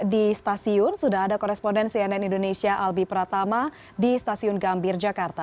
di stasiun sudah ada koresponden cnn indonesia albi pratama di stasiun gambir jakarta